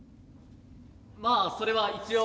まあそれは一応。